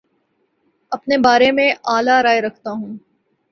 اپنے بارے میں اعلی رائے رکھتا ہوں